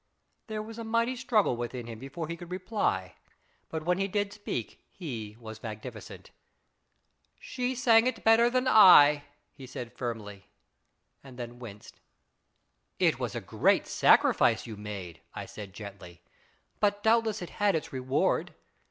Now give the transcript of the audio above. " There was a mighty struggle within him before he could reply, but when he did speak he was magnificent. "She sang it far better than I/' he said firmly, and then winced. " It was a great sacrifice you made," I said gently, " but doubtless it had its reward.